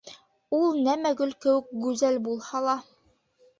Ул нәмә гөл кеүек гүзәл булһа ла.